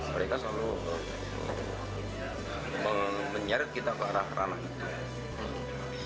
mereka selalu menyeret kita ke arah ranah itu